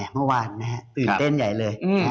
เมื่อวานตื่นเต้นใหญ่เลย